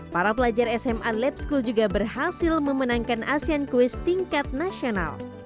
para pelajar sma lab school juga berhasil memenangkan asean kuis tingkat nasional